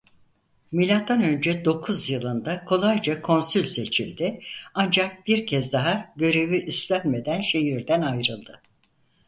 Milattan önce dokuz yılında kolayca Konsül seçildi ancak bir kez daha görevi üstlenmeden şehirden ayrıldı.